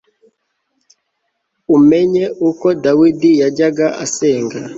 umenye uko dawidi yajyaga asenga